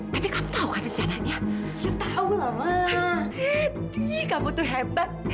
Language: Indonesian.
di kamu tuh hebat